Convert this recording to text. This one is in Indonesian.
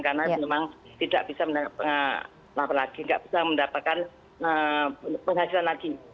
karena memang tidak bisa mendapatkan penghasilan lagi